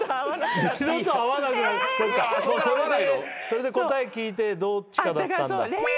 それで答え聞いてどっちかだったんだ。